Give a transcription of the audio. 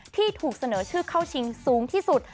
ที่ถูกเสนอชื่อเข้าชิงสูงที่สุด